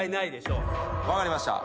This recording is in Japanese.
分かりました。